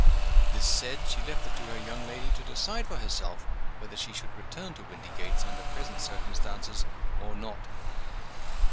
This said, she left it to her young lady to decide for herself, whether she would return to Windygates, under present circumstances, or not.